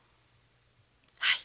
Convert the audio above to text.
はい。